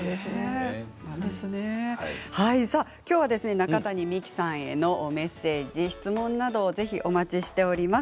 きょうは中谷美紀さんへのメッセージ、質問などお待ちしています。